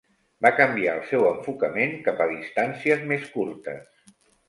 Va canviar el seu enfocament cap a distàncies més curtes.